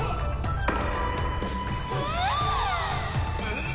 うん！